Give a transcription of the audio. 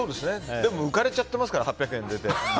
でも浮かれちゃってますから８００円出て。